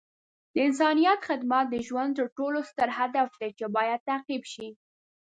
د انسانیت خدمت د ژوند تر ټولو ستر هدف دی چې باید تعقیب شي.